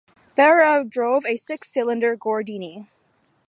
Behra drove a six cylinder Gordini.